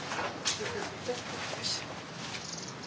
よいしょ。